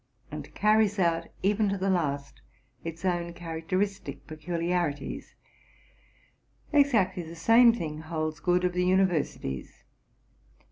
and carries out, even to the last, its own characteristic peculiarities: exactly the same RELATING TO MY LIFE. 209 thing holds good of the universities.